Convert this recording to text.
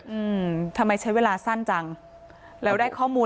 อืมทำไมใช้เวลาสั้นจังแล้วได้ข้อมูล